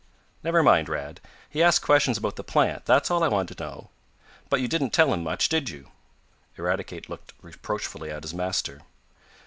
"Never mind, Rad. He asked questions about the plant, that's all I want to know. But you didn't tell him much, did you?" Eradicate looked reproachfully at his master.